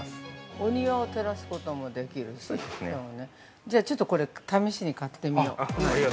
◆お庭を照らすこともできるしちょっとこれ試しに買ってみよう。